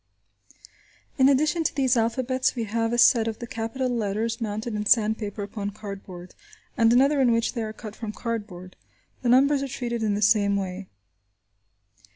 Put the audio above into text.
In addition to these alphabets we have a set of the capital letters mounted in sandpaper upon cardboard, and another, in which they are cut from cardboard. The numbers are treated in the same way.